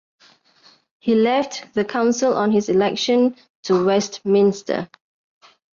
He left the council on his election to Westminster.